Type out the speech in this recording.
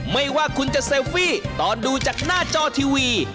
ไม่ว่าคุณจะเซลฟี่ตอนดูจากหน้าจอทีวี